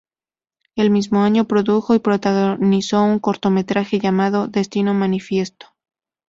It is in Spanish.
El mismo año, produjo y protagonizó un cortometraje llamado "Destino Manifiesto".